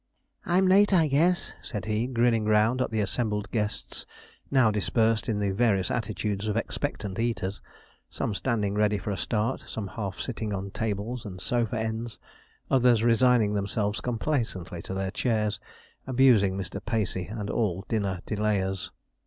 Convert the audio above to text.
'I'm late, I guess,' said he, grinning round at the assembled guests, now dispersed in the various attitudes of expectant eaters, some standing ready for a start, some half sitting on tables and sofa ends, others resigning themselves complacently to their chairs, abusing Mr. Pacey and all dinner delayers.